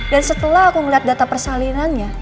dan setelah aku ngeliat data persalinannya